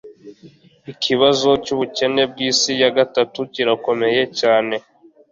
ikibazo cyubukene bwisi ya gatatu kirakomeye cyane